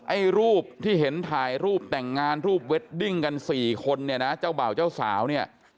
ไอ้รูปที่เห็นถ่ายรูปแต่งงานรูปเวดดิ้งกันสี่คนเนี่ยนะเจ้าบ่าวเจ้าสาวเนี่ย